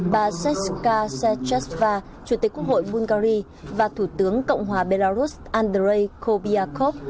bà zestsuka sechesva chủ tịch quốc hội bulgari và thủ tướng cộng hòa belarus andrei kobiakov